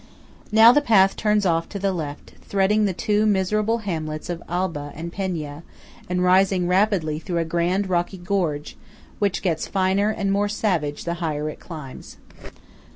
Now the path turns off to the left, threading the two miserable hamlets of Alba and Penia, and rising rapidly through a grand rocky gorge which gets finer and more savage the higher it climbs.